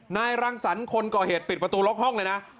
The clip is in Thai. นายรังสรรค์คนก่อเหตุปิดประตูล็อกห้องเลยนะ